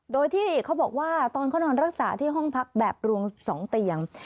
โดยที่เขาบอกว่าตอนเขานอนรักษาที่ห้องพักแบบรวม๒เตียง